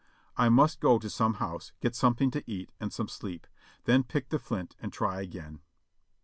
I must go to some house, get something to eat, and some sleep, then pick the flint and try again.